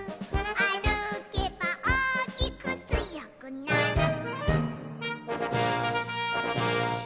「あるけばおおきくつよくなる」